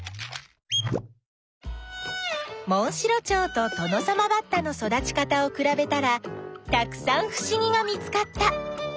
モンシロチョウとトノサマバッタの育ち方をくらべたらたくさんふしぎが見つかった。